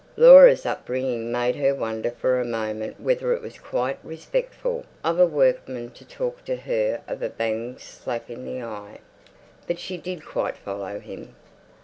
Laura's upbringing made her wonder for a moment whether it was quite respectful of a workman to talk to her of bangs slap in the eye. But she did quite follow him.